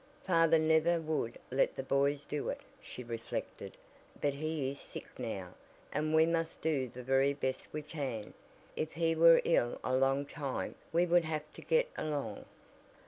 "Father never would let the boys do it," she reflected, "but he is sick now, and we must do the very best we can. If he were ill a long time we would have to get along."